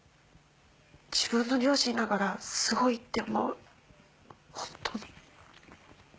自分の両親ながらすごいって思う。